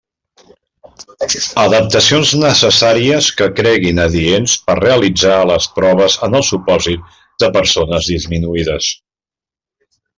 Adaptacions necessàries que creguin adients per realitzar les proves en el supòsit de persones disminuïdes.